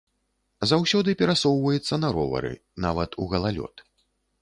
Заўсёды перасоўваецца на ровары, нават у галалёд.